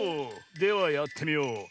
ではやってみよう。